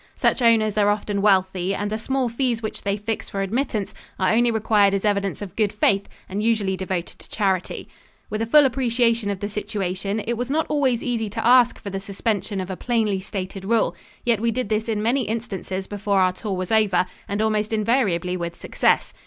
Such owners are often wealthy and the small fees which they fix for admittance are only required as evidence of good faith and usually devoted to charity. With a full appreciation of the situation, it was not always easy to ask for the suspension of a plainly stated rule, yet we did this in many instances before our tour was over and almost invariably with success.